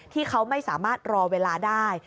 ที่เขาไม่สามารถรอเวลาได้